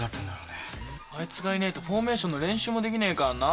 あいつがいねえとフォーメーションの練習もできねえからなあ。